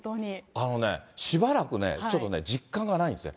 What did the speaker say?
あのね、しばらくね、ちょっとね、実感がないんですね。